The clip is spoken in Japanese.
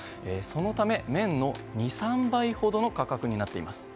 そのため、綿の２３倍ほどの価格になっています。